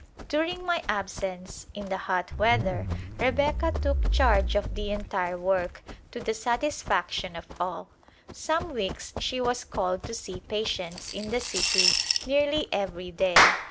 During my absence in the hot weather Rebecca took charge of the entire work, to the satisfaction of all ; some weeks she was called to see patients in the city nearly every day.